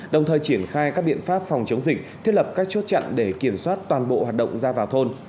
đồng thời triển khai các biện pháp phòng chống dịch thiết lập các chốt chặn để kiểm soát toàn bộ hoạt động ra vào thôn